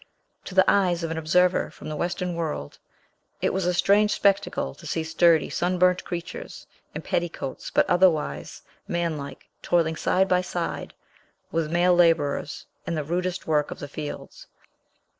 To the eyes of an observer from the Western world, it was a strange spectacle to see sturdy, sunburnt creatures, in petticoats, but otherwise manlike, toiling side by side with male laborers, in the rudest work of the fields.